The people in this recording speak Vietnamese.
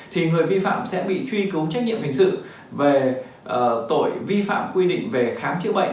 thì người vi phạm sẽ bị truy cứu trách nhiệm hình sự về tội vi phạm quy định về khám chữa bệnh